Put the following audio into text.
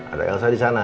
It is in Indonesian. ada elsa di sana